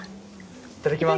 いただきます。